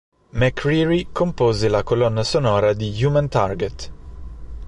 McCreary compose la colonna sonora di "Human Target".